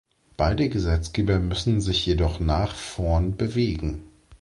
Beide Gesetzgeber müssen sich jedoch nach vorn bewegen.